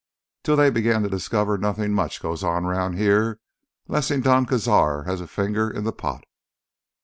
"Till they began to discover nothin' much goes on round here lessen Don Cazar has a finger in th' pot.